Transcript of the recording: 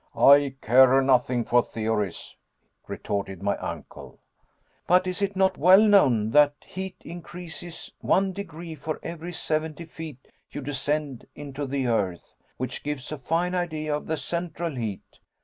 "I care nothing for theories," retorted my uncle. "But is it not well known that heat increases one degree for every seventy feet you descend into the earth? Which gives a fine idea of the central heat.